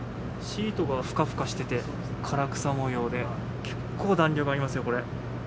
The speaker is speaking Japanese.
シートがふかふかしていて唐草模様で、結構弾力ありますよ、これ。